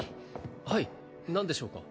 はい何でしょうか？